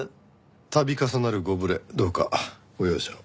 度重なるご無礼どうかご容赦を。